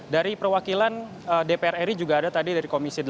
dari perwakilan dprri juga ada tadi dari komisil